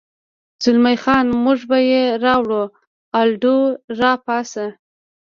زلمی خان: موږ به یې راوړو، الډو، را پاڅه.